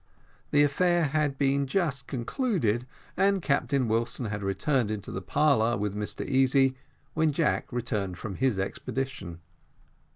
The affair had been just concluded, and Captain Wilson had returned into the parlour with Mr Easy, when Jack returned from his expedition.